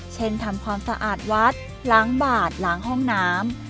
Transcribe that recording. ทำความสะอาดวัดล้างบาดล้างห้องน้ำ